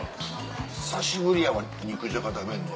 久しぶりやわ肉じゃが食べんの。